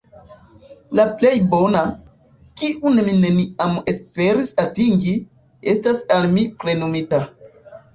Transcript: La plej bona, kiun mi neniam esperis atingi, estas al mi plenumita.